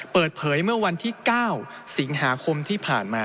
เปิดเผยเมื่อวันที่๙สิงหาคมที่ผ่านมา